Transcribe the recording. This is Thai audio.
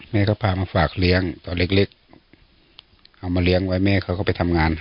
แม่ก็พามาฝากเลี้ยงตอนเล็กเอามาเลี้ยงไว้แม่เขาก็ไปทำงาน